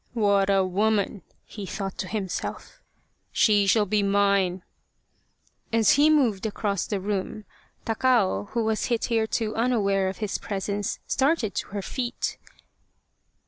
" What a woman !" he thought to himself. " She shall be mine !" As he moved across the room, Takao, who was hitherto unaware of his presence, started to her feet.